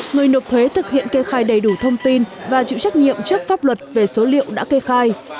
người nộp thuế thực hiện kê khai đầy đủ thông tin và chịu trách nhiệm trước pháp luật về số liệu đã kê khai